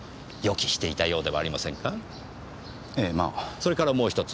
それからもう１つ。